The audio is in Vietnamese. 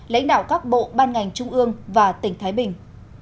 lãnh đạo các bộ ban ngành trung ương và tỉnh thái bình